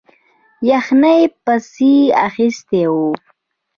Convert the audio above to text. یخنۍ پسې اخیستی وو.